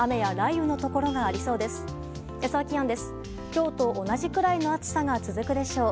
今日と同じくらいの暑さが続くでしょう。